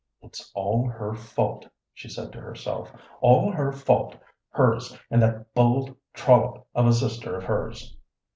"It is all her fault," she said to herself "all her fault hers and that bold trollop of a sister of hers."